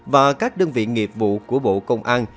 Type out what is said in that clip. và các đơn vị nghiệp vụ của bộ công an